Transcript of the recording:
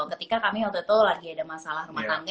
ketika kami waktu itu lagi ada masalah rumah tangga